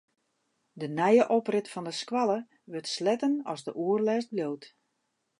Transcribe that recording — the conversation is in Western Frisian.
De nije oprit fan de skoalle wurdt sletten as de oerlêst bliuwt.